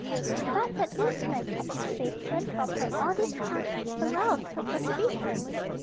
The fact that this man kept his face turned from her all this time aroused her suspicion.